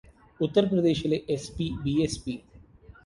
ഉത്തർപ്രദേശിലെ എസ്.പി, ബി.എസ്.പി.